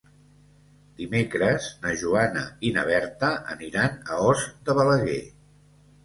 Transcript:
Dimecres na Joana i na Berta aniran a Os de Balaguer.